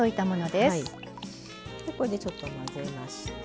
でこれでちょっと混ぜまして。